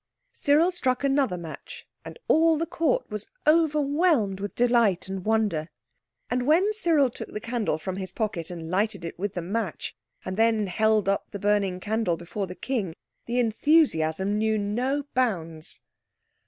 Cyril struck another match, and all the court was overwhelmed with delight and wonder. And when Cyril took the candle from his pocket and lighted it with the match, and then held the burning candle up before the King the enthusiasm knew no bounds.